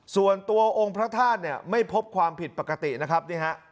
ส่วนตัวองค์พระธาตุเนี่ยไม่พบความผิดปกตินะครับนี่ฮะ